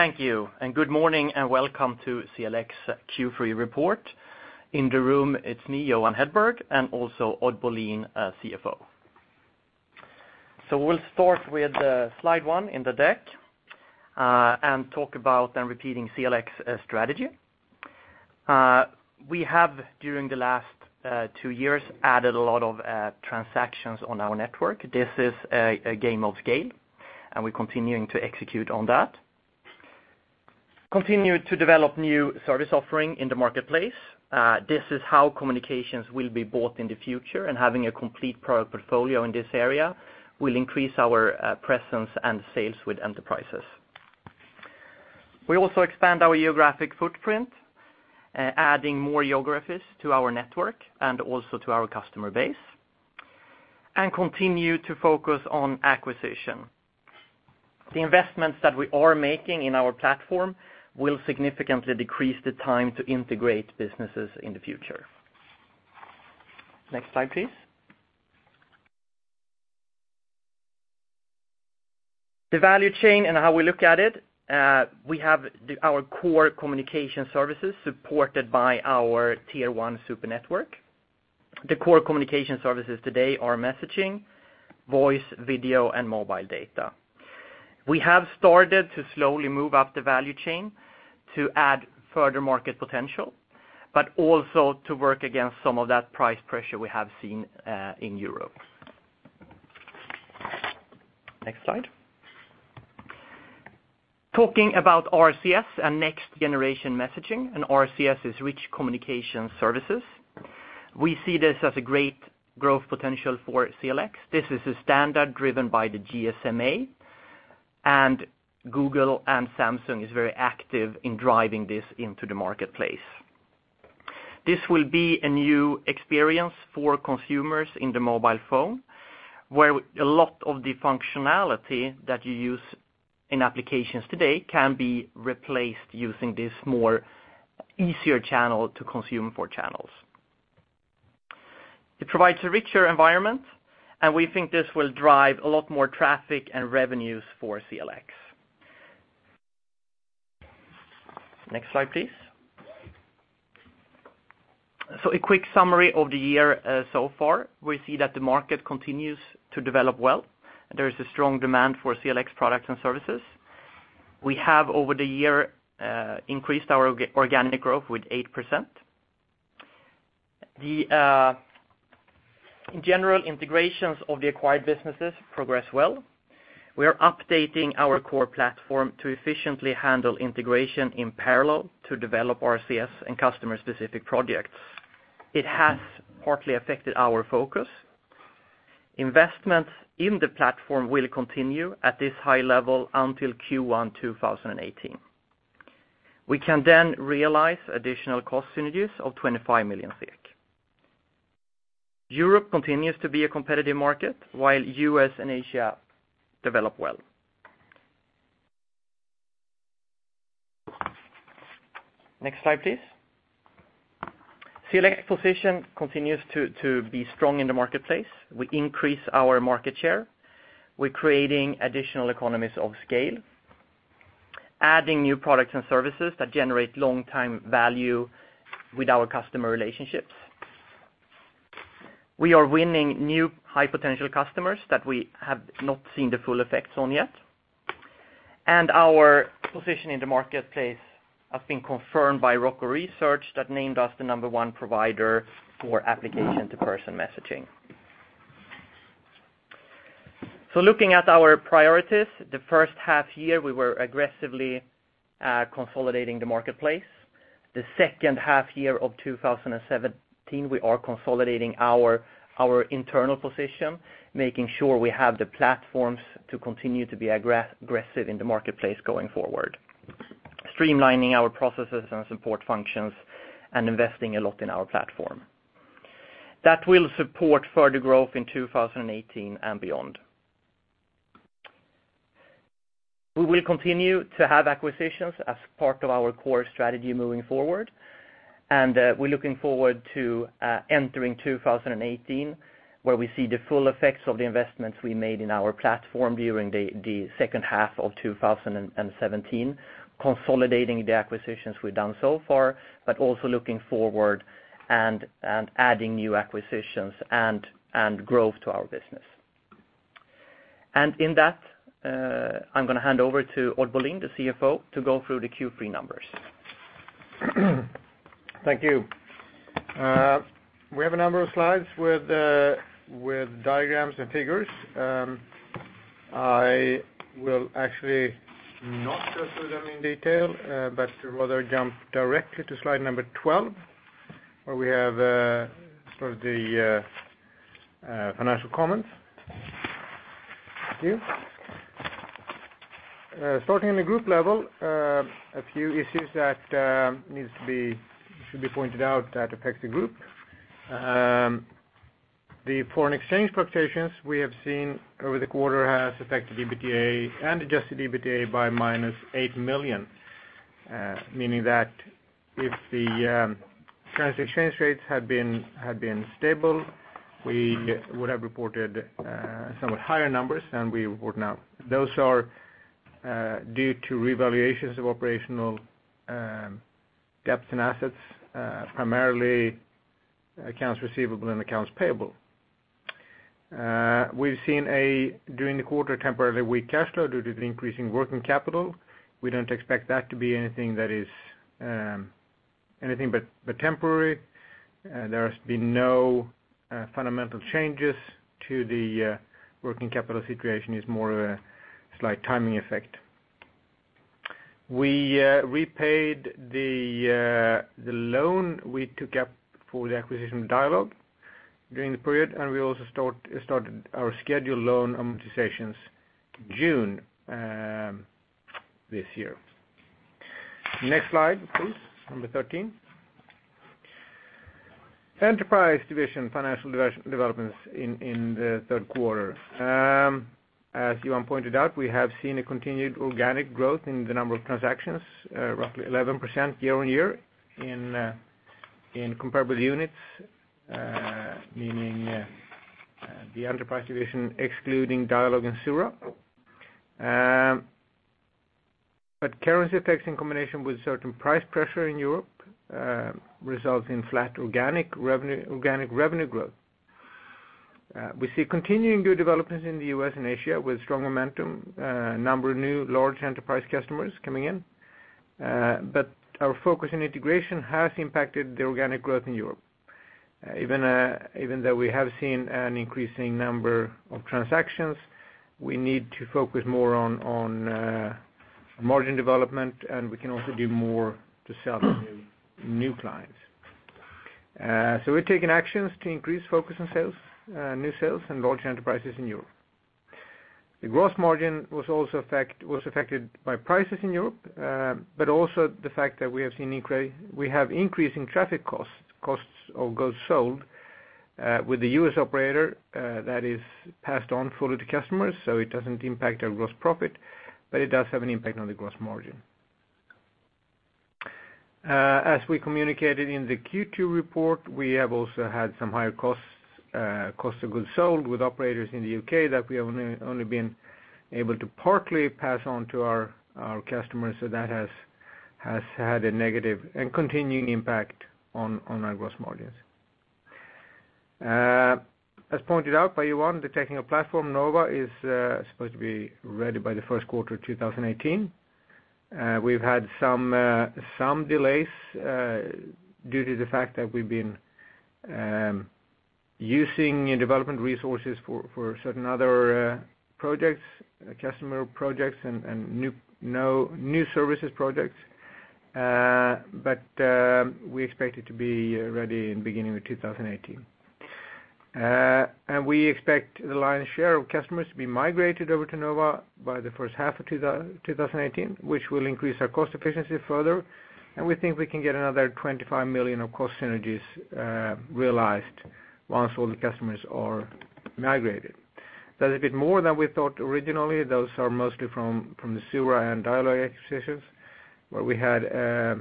Thank you, good morning, and welcome to Sinch Q3 report. In the room, it's me, Johan Hedberg, and also Odd Bolin, CFO. We'll start with slide one in the deck, talk about and repeating Sinch strategy. We have, during the last two years, added a lot of transactions on our network. This is a game of scale, and we're continuing to execute on that. We continue to develop new service offering in the marketplace. This is how communications will be bought in the future, and having a complete product portfolio in this area will increase our presence and sales with enterprises. We also expand our geographic footprint, adding more geographies to our network and also to our customer base, and continue to focus on acquisition. The investments that we are making in our platform will significantly decrease the time to integrate businesses in the future. Next slide, please. The value chain and how we look at it. We have our core communication services supported by our tier 1 super network. The core communication services today are messaging, voice, video, and mobile data. We have started to slowly move up the value chain to add further market potential, but also to work against some of that price pressure we have seen in Europe. Next slide. Talking about RCS and next generation messaging, RCS is Rich Communication Services. We see this as a great growth potential for Sinch. This is a standard driven by the GSMA, Google and Samsung is very active in driving this into the marketplace. This will be a new experience for consumers in the mobile phone, where a lot of the functionality that you use in applications today can be replaced using this more easier channel to consume four channels. It provides a richer environment, we think this will drive a lot more traffic and revenues for Sinch. Next slide, please. A quick summary of the year so far. We see that the market continues to develop well. There is a strong demand for Sinch products and services. We have, over the year, increased our organic growth with 8%. In general, integrations of the acquired businesses progress well. We are updating our core platform to efficiently handle integration in parallel to develop RCS and customer specific projects. It has partly affected our focus. Investments in the platform will continue at this high level until Q1 2018. We can then realize additional cost synergies of 25 million SEK. Europe continues to be a competitive market, while U.S. and Asia develop well. Next slide, please. Sinch position continues to be strong in the marketplace. We increase our market share. We're creating additional economies of scale, adding new products and services that generate long time value with our customer relationships. We are winning new high potential customers that we have not seen the full effects on yet, and our position in the marketplace has been confirmed by ROCCO Research, that named us the number one provider for Application-to-Person messaging. Looking at our priorities, the first half year, we were aggressively consolidating the marketplace. The second half year of 2017, we are consolidating our internal position, making sure we have the platforms to continue to be aggressive in the marketplace going forward. Streamlining our processes and support functions, investing a lot in our platform. That will support further growth in 2018 and beyond. We will continue to have acquisitions as part of our core strategy moving forward. We're looking forward to entering 2018, where we see the full effects of the investments we made in our platform during the second half of 2017, consolidating the acquisitions we've done so far, but also looking forward and adding new acquisitions and growth to our business. In that, I'm going to hand over to Odd Bolin, the CFO, to go through the Q3 numbers. Thank you. We have a number of slides with diagrams and figures. I will actually not go through them in detail, but rather jump directly to slide number 12, where we have the financial comments. Thank you. Starting on the group level, a few issues that should be pointed out that affects the group. The foreign exchange fluctuations we have seen over the quarter has affected EBITDA and adjusted EBITDA by minus 8 million. Meaning that if the currency exchange rates had been stable, we would have reported somewhat higher numbers than we report now. Those are due to revaluations of operational gaps in assets, primarily accounts receivable and accounts payable. We've seen, during the quarter, temporarily weak cash flow due to the increase in working capital. We don't expect that to be anything but temporary. There has been no fundamental changes to the working capital situation. It's more of a slight timing effect. We repaid the loan we took up for the acquisition of Dialogue during the period. We also started our scheduled loan amortizations June this year. Next slide, please, number 13. Enterprise division financial developments in the third quarter. As Johan pointed out, we have seen a continued organic growth in the number of transactions, roughly 11% year-on-year in comparable units, meaning the enterprise division excluding Dialogue and Xura. Currency effects in combination with certain price pressure in Europe results in flat organic revenue growth. We see continuing good developments in the U.S. and Asia with strong momentum, a number of new large enterprise customers coming in. Our focus on integration has impacted the organic growth in Europe. Even though we have seen an increasing number of transactions, we need to focus more on margin development. We can also do more to sell to new clients. We're taking actions to increase focus on new sales and large enterprises in Europe. The gross margin was affected by prices in Europe, but also the fact that we have increasing traffic costs of goods sold with the U.S. operator that is passed on fully to customers. It doesn't impact our gross profit, but it does have an impact on the gross margin. As we communicated in the Q2 report, we have also had some higher costs of goods sold with operators in the U.K. that we have only been able to partly pass on to our customers. That has had a negative and continuing impact on our gross margins. As pointed out by Johan, the technical platform, Nova, is supposed to be ready by the first quarter of 2018. We've had some delays due to the fact that we've been using development resources for certain other customer projects and new services projects. We expect it to be ready in the beginning of 2018. We expect the lion's share of customers to be migrated over to Nova by the first half of 2018, which will increase our cost efficiency further. We think we can get another 25 million of cost synergies realized once all the customers are migrated. That is a bit more than we thought originally. Those are mostly from the Xura and Dialogue acquisitions, where we had a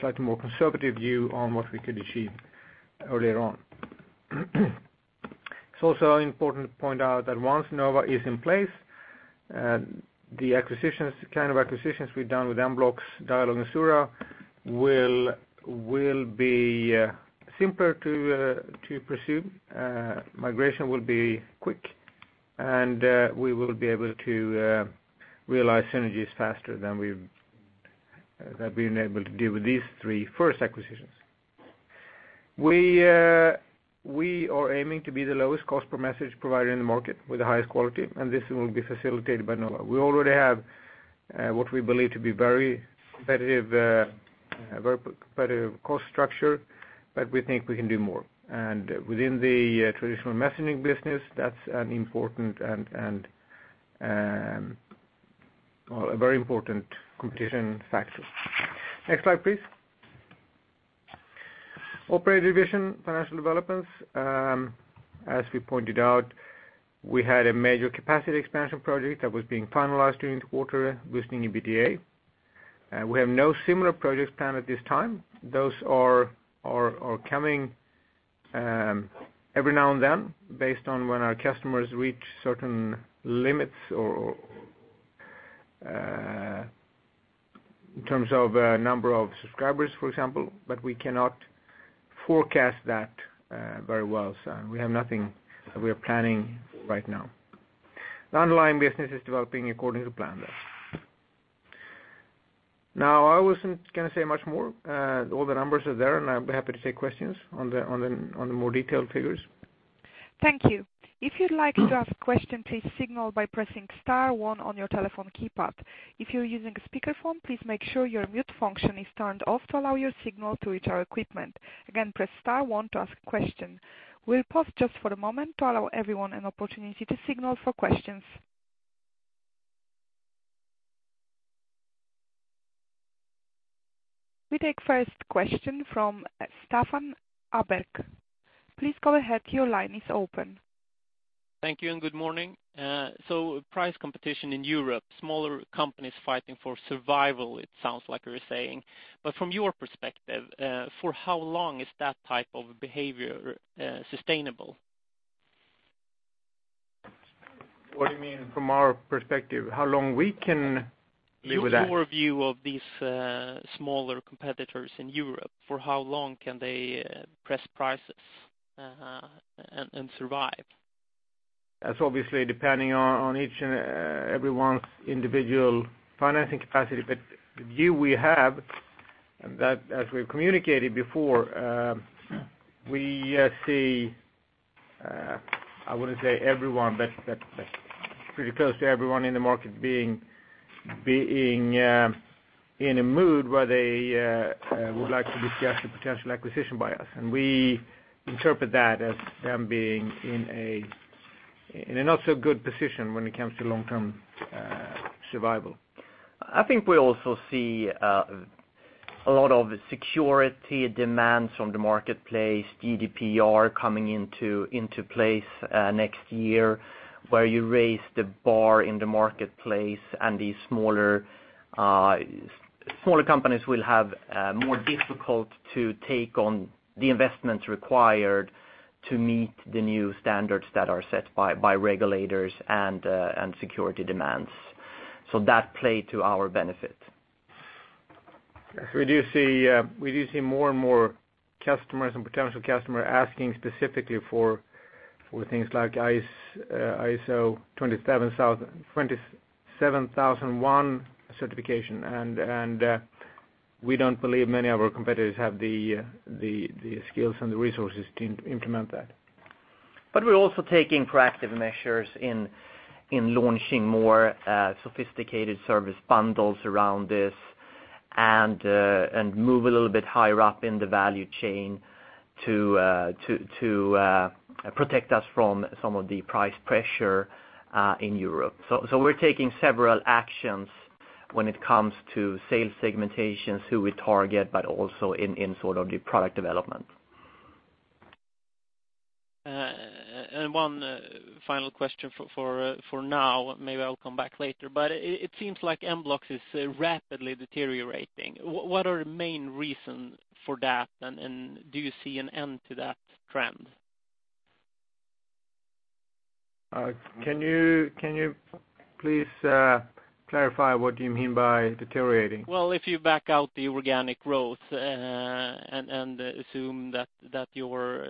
slightly more conservative view on what we could achieve earlier on. It's also important to point out that once Nova is in place, the kind of acquisitions we've done with Mblox, Dialogue, and Xura will be simpler to pursue. Migration will be quick, we will be able to realize synergies faster than we've been able to do with these three first acquisitions. We are aiming to be the lowest cost per message provider in the market with the highest quality, and this will be facilitated by Nova. We already have what we believe to be very competitive cost structure, we think we can do more. Within the traditional messaging business, that's a very important competition factor. Next slide, please. Operator division financial developments. As we pointed out, we had a major capacity expansion project that was being finalized during the quarter, boosting EBITDA. We have no similar projects planned at this time. Those are coming every now and then based on when our customers reach certain limits or in terms of number of subscribers, for example, we cannot forecast that very well. We have nothing that we are planning right now. The underlying business is developing according to plan, though. I wasn't going to say much more. All the numbers are there, I'll be happy to take questions on the more detailed figures. Thank you. If you'd like to ask a question, please signal by pressing star one on your telephone keypad. If you're using a speakerphone, please make sure your mute function is turned off to allow your signal to reach our equipment. Again, press star one to ask a question. We'll pause just for a moment to allow everyone an opportunity to signal for questions. We take first question from Staffan Åberg. Please go ahead. Your line is open. Thank you, good morning. Price competition in Europe, smaller companies fighting for survival, it sounds like you're saying. From your perspective, for how long is that type of behavior sustainable? What do you mean from our perspective? How long we can live with that? Your view of these smaller competitors in Europe, for how long can they press prices and survive? That's obviously depending on each and everyone's individual financing capacity. The view we have, that as we've communicated before, we see, I wouldn't say everyone, but pretty close to everyone in the market being in a mood where they would like to discuss the potential acquisition by us. We interpret that as them being in a not so good position when it comes to long-term survival. I think we also see a lot of security demands from the marketplace, GDPR coming into place next year, where you raise the bar in the marketplace and these smaller companies will have more difficult to take on the investments required to meet the new standards that are set by regulators and security demands. That play to our benefit. We do see more and more customers and potential customer asking specifically for things like ISO 27001 certification. We don't believe many of our competitors have the skills and the resources to implement that. We're also taking proactive measures in launching more sophisticated service bundles around this and move a little bit higher up in the value chain to protect us from some of the price pressure in Europe. We're taking several actions when it comes to sales segmentations, who we target, but also in sort of the product development. One final question for now, maybe I'll come back later, but it seems like Mblox is rapidly deteriorating. What are the main reason for that? Do you see an end to that trend? Can you please clarify what you mean by deteriorating? If you back out the organic growth and assume that your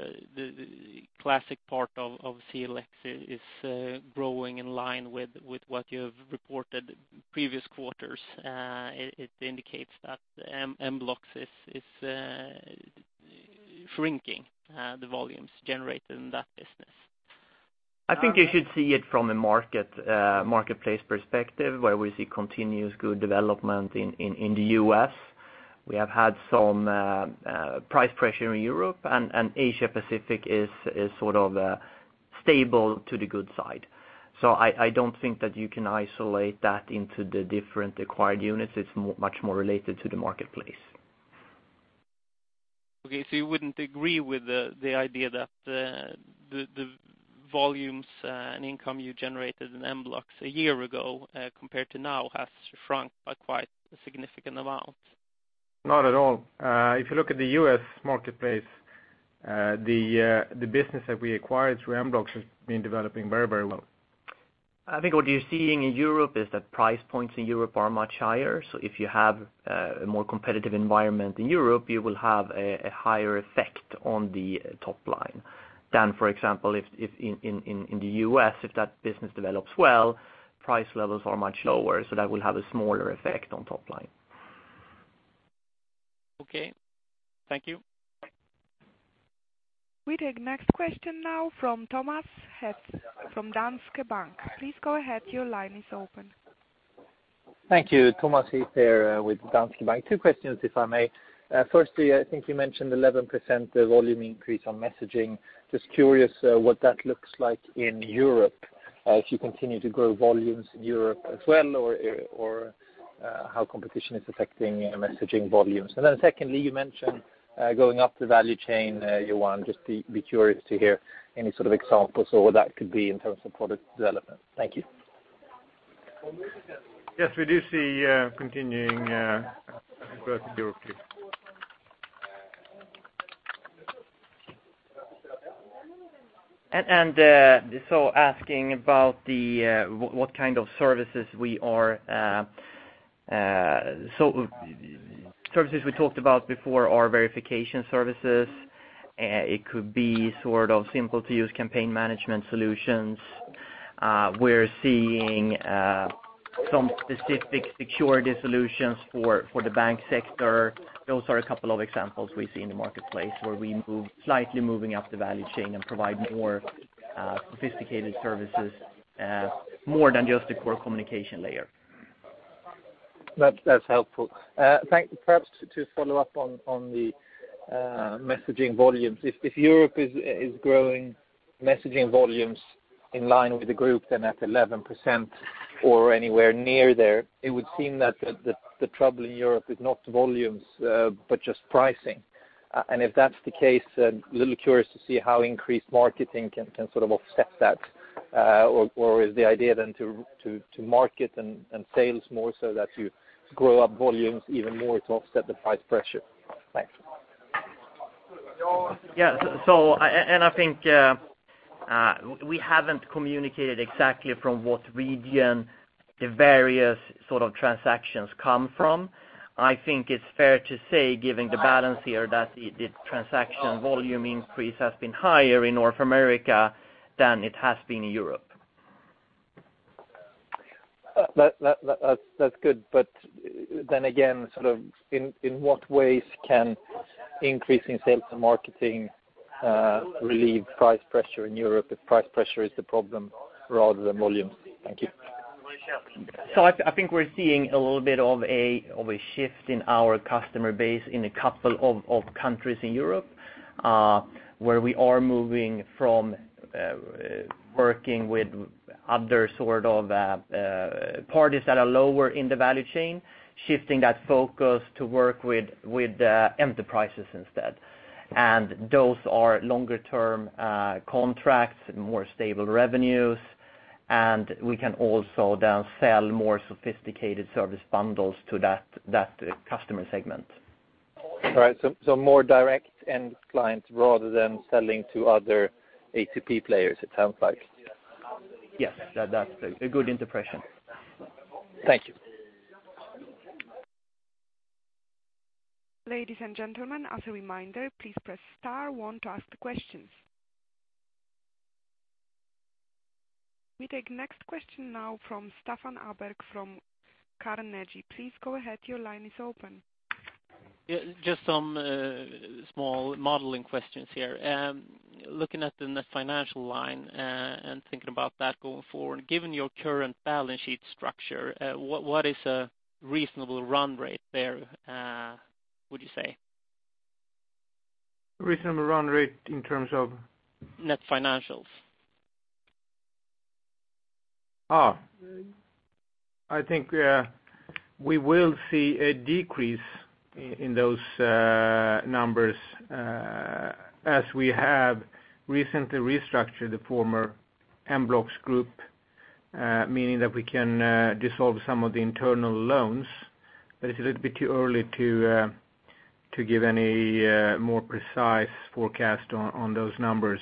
classic part of CLX is growing in line with what you've reported previous quarters, it indicates that Mblox is shrinking the volumes generated in that business. I think you should see it from a marketplace perspective, where we see continuous good development in the U.S. We have had some price pressure in Europe, and Asia Pacific is sort of stable to the good side. I don't think that you can isolate that into the different acquired units. It's much more related to the marketplace. Okay. You wouldn't agree with the idea that the volumes and income you generated in Mblox a year ago, compared to now, has shrunk by quite a significant amount? Not at all. If you look at the U.S. marketplace, the business that we acquired through Mblox has been developing very well. I think what you're seeing in Europe is that price points in Europe are much higher. If you have a more competitive environment in Europe, you will have a higher effect on the top line than, for example, if in the U.S., if that business develops well, price levels are much lower, that will have a smaller effect on top line. Okay. Thank you. We take next question now from Thomas Heff, from Danske Bank. Please go ahead. Your line is open. Thank you. Thomas Heff here with Danske Bank. Two questions, if I may. Firstly, I think you mentioned 11% volume increase on messaging. Just curious what that looks like in Europe, if you continue to grow volumes in Europe as well, or how competition is affecting messaging volumes. Secondly, you mentioned going up the value chain, Johan. Just be curious to hear any sort of examples or what that could be in terms of product development. Thank you. Yes, we do see continuing growth in Europe. Asking about what kind of services we talked about before are verification services. It could be sort of simple to use campaign management solutions. We're seeing some specific security solutions for the bank sector. Those are a couple of examples we see in the marketplace, where we move slightly moving up the value chain and provide more sophisticated services, more than just the core communication layer. That's helpful. Perhaps to follow up on the messaging volumes. If Europe is growing messaging volumes in line with the group, then at 11% or anywhere near there, it would seem that the trouble in Europe is not volumes, but just pricing. If that's the case, a little curious to see how increased marketing can sort of offset that. Is the idea then to market and sales more so that you grow up volumes even more to offset the price pressure? Thanks. Yes. I think we haven't communicated exactly from what region the various sort of transactions come from. I think it's fair to say, given the balance here, that the transaction volume increase has been higher in North America than it has been in Europe. That's good. Again, in what ways can increasing sales and marketing relieve price pressure in Europe if price pressure is the problem rather than volume? Thank you. I think we're seeing a little bit of a shift in our customer base in a couple of countries in Europe, where we are moving from working with other sort of parties that are lower in the value chain, shifting that focus to work with enterprises instead. Those are longer-term contracts, more stable revenues, and we can also then sell more sophisticated service bundles to that customer segment. All right, more direct end clients rather than selling to other A2P players, it sounds like. Yes. That's a good interpretation. Thank you. Ladies and gentlemen, as a reminder, please press star one to ask the questions. We take next question now from Staffan Åberg from Carnegie. Please go ahead, your line is open. Yeah, just some small modeling questions here. Looking at the net financial line, and thinking about that going forward, given your current balance sheet structure, what is a reasonable run rate there, would you say? Reasonable run rate in terms of? Net financials. I think we will see a decrease in those numbers as we have recently restructured the former Mblox group, meaning that we can dissolve some of the internal loans. It's a little bit too early to give any more precise forecast on those numbers.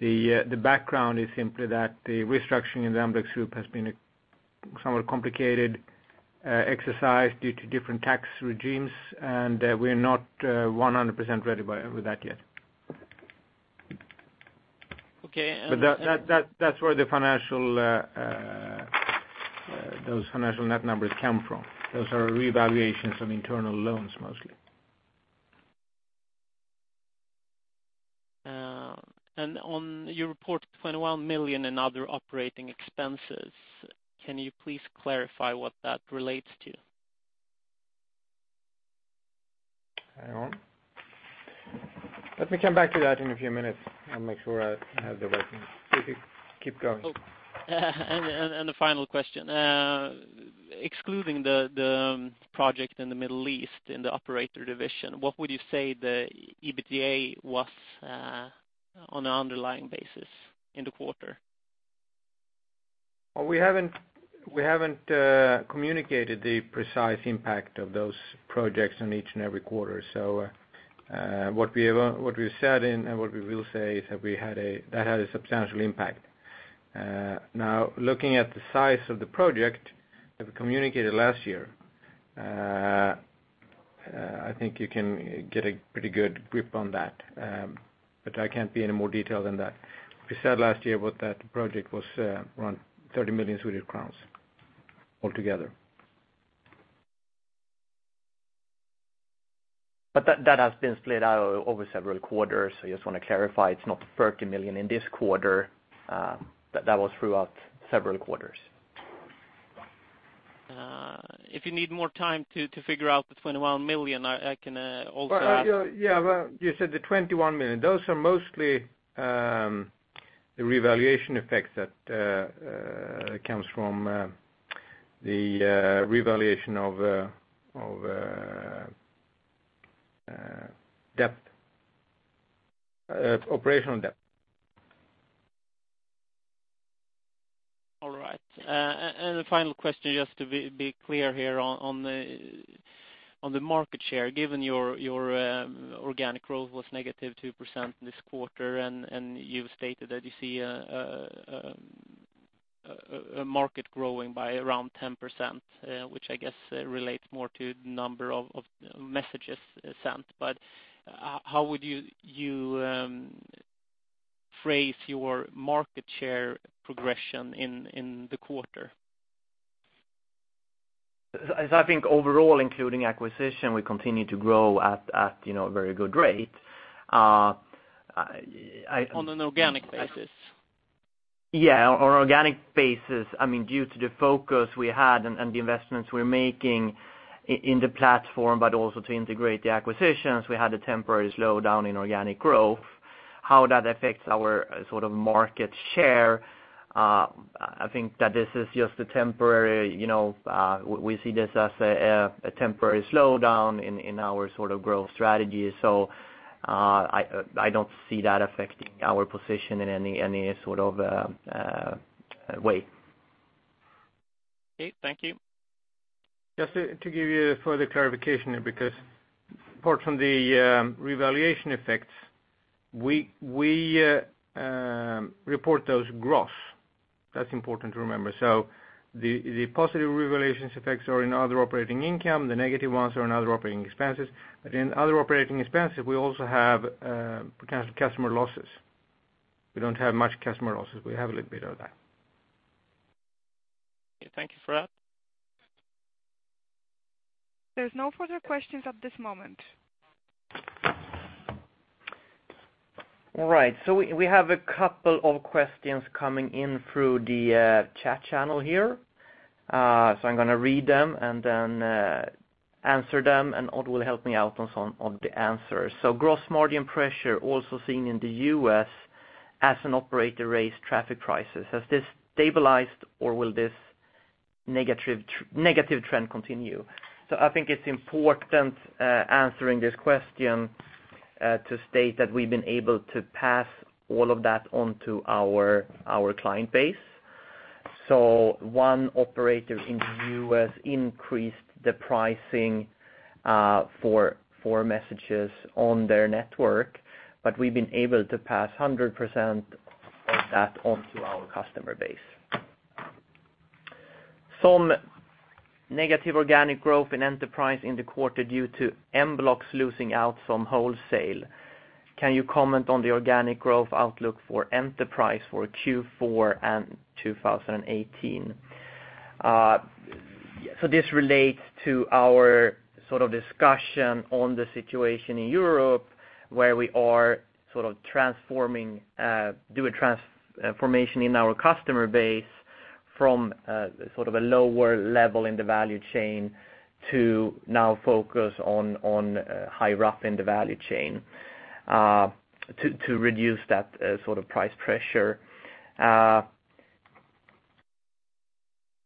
The background is simply that the restructuring in the Mblox group has been a somewhat complicated exercise due to different tax regimes, and we're not 100% ready with that yet. Okay, and. That's where those financial net numbers come from. Those are revaluations of internal loans, mostly. On your report, 21 million in other operating expenses, can you please clarify what that relates to? Hang on. Let me come back to that in a few minutes and make sure I have the right things. Please keep going. The final question, excluding the project in the Middle East in the operator division, what would you say the EBITDA was on an underlying basis in the quarter? We haven't communicated the precise impact of those projects on each and every quarter. What we've said and what we will say is that had a substantial impact. Looking at the size of the project that we communicated last year, I think you can get a pretty good grip on that. I can't be any more detailed than that. We said last year that project was around 30 million Swedish crowns altogether. That has been split out over several quarters. I just want to clarify, it's not 30 million SEK in this quarter, but that was throughout several quarters. If you need more time to figure out the 21 million SEK, I can also. Yeah. You said the 21 million SEK. Those are mostly the revaluation effects that comes from the revaluation of operational debt. The final question, just to be clear here on the market share, given your organic growth was negative 2% this quarter, you've stated that you see a market growing by around 10%, which I guess relates more to the number of messages sent. How would you phrase your market share progression in the quarter? I think overall, including acquisition, we continue to grow at a very good rate. On an organic basis. Yeah. On organic basis, due to the focus we had and the investments we're making in the platform, but also to integrate the acquisitions, we had a temporary slowdown in organic growth. How that affects our market share, we see this as a temporary slowdown in our growth strategy. I don't see that affecting our position in any sort of way. Okay, thank you. Just to give you further clarification apart from the revaluation effects, we report those gross. That's important to remember. The positive revaluations effects are in other operating income. The negative ones are in other operating expenses. In other operating expenses, we also have customer losses. We don't have much customer losses, we have a little bit of that. Thank you for that. There's no further questions at this moment. We have a couple of questions coming in through the chat channel here. I'm going to read them and then answer them, and Odd will help me out on some of the answers. Gross margin pressure also seen in the U.S. as an operator raised traffic prices. Has this stabilized or will this negative trend continue? I think it's important, answering this question, to state that we've been able to pass all of that onto our client base. One operator in the U.S. increased the pricing for messages on their network, but we've been able to pass 100% of that onto our customer base. Some negative organic growth in enterprise in the quarter due to Mblox losing out some wholesale. Can you comment on the organic growth outlook for enterprise for Q4 and 2018? This relates to our discussion on the situation in Europe, where we are doing transformation in our customer base from a lower level in the value chain to now focus on higher up in the value chain, to reduce that price pressure.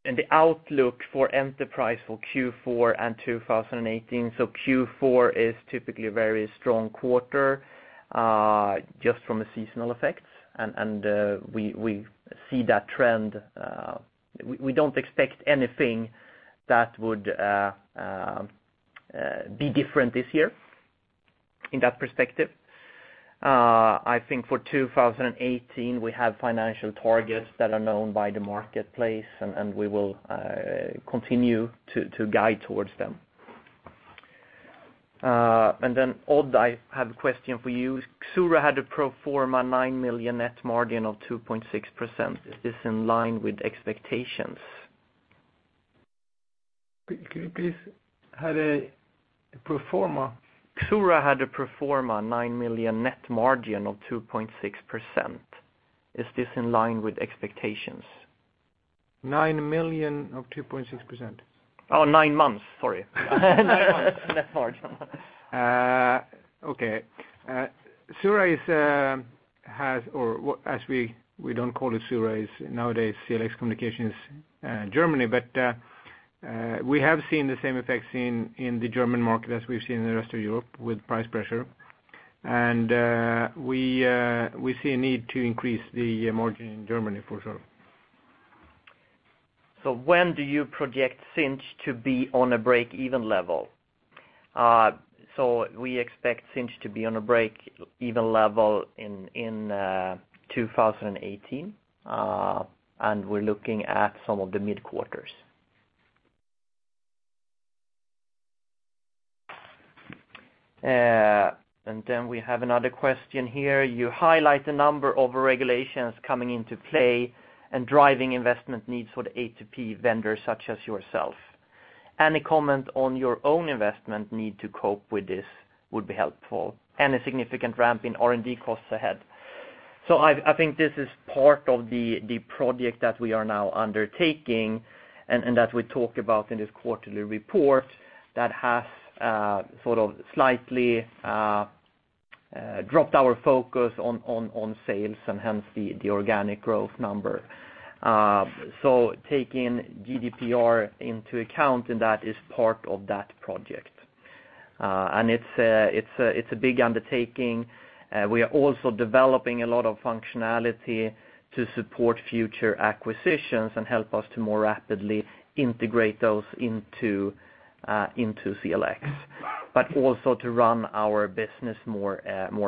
The outlook for enterprise for Q4 and 2018. Q4 is typically a very strong quarter, just from a seasonal effect. We see that trend. We don't expect anything that would be different this year in that perspective. For 2018, we have financial targets that are known by the marketplace, and we will continue to guide towards them. Then Odd, I have a question for you. Xura had a pro forma 9 million net margin of 2.6%. Is this in line with expectations? Could you please, had a pro forma? Xura had a pro forma 9 million net margin of 2.6%. Is this in line with expectations? 9 million of 2.6%? Oh, nine months, sorry. Net margin. Okay. We don't call it Xura, it's nowadays CLX Communications Germany. We have seen the same effects in the German market as we've seen in the rest of Europe with price pressure. We see a need to increase the margin in Germany for sure. When do you project Sinch to be on a break-even level? We expect Sinch to be on a break-even level in 2018. We're looking at some of the mid-quarters. We have another question here. You highlight the number of regulations coming into play and driving investment needs for the A2P vendors such as yourself. Any comment on your own investment need to cope with this would be helpful. Any significant ramp in R&D costs ahead? I think this is part of the project that we are now undertaking, and that we talk about in this quarterly report that has slightly dropped our focus on sales and hence the organic growth number. Taking GDPR into account, and that is part of that project. It's a big undertaking. We are also developing a lot of functionality to support future acquisitions and help us to more rapidly integrate those into CLX, but also to run our business more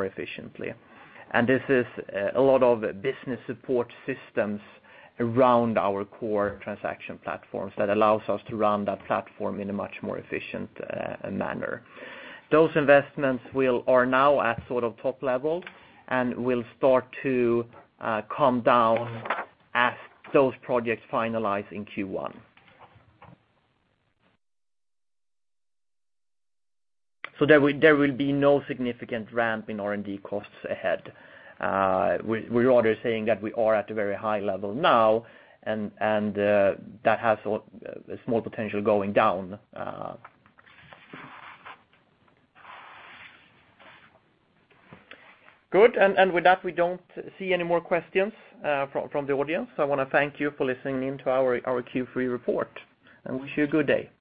efficiently. This is a lot of business support systems around our core transaction platforms that allows us to run that platform in a much more efficient manner. Those investments are now at top level and will start to come down as those projects finalize in Q1. There will be no significant ramp in R&D costs ahead. We're rather saying that we are at a very high level now, and that has a small potential going down. Good, with that, we don't see any more questions from the audience. I want to thank you for listening in to our Q3 report, and wish you a good day.